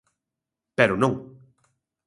Pero non.